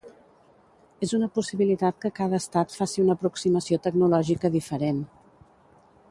És una possibilitat que cada estat faci una aproximació tecnològica diferent.